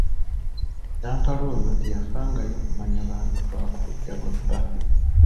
Nampala oyo teyafangayo kumanya bantu ba ku ludda lwa bba.